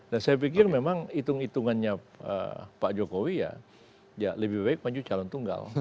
dan saya pikir memang hitung hitungannya pak jokowi ya lebih baik maju calon tunggal